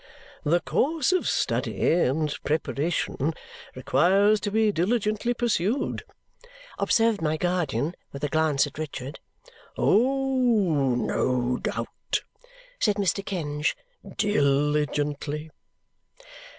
"The course of study and preparation requires to be diligently pursued," observed my guardian with a glance at Richard. "Oh, no doubt," said Mr. Kenge. "Diligently."